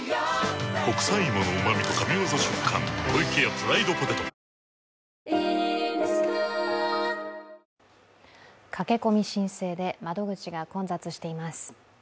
フラミンゴ駆け込み申請で窓口が混雑しています。